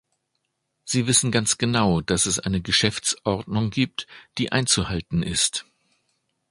Sie wissen ganz genau, dass es eine Geschäftsordnung gibt, die einzuhalten ist.